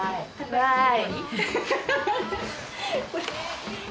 わい。